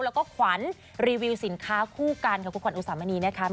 แล้วก็ขวัญรีวิวสินค้าคู่กันค่ะคุณขวัญอุสามณีนะคะ